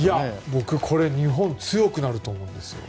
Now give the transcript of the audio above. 僕、日本は強くなると思うんですよ。